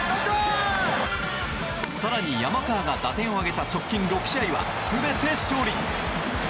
更に、山川が打点を挙げた直近６試合は全て勝利。